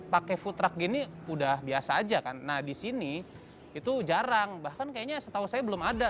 pakai food truck gini udah biasa aja kan nah di sini itu jarang bahkan kayaknya setahu saya belum ada